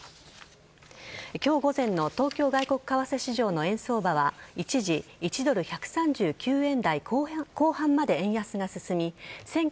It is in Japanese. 今日午前の東京外国為替市場の円相場は一時、１ドル１３９円台後半まで円安が進み